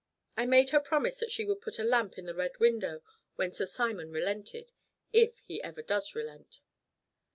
I made her promise that she would put a lamp in the Red Window when Sir Simon relented if he ever does relent."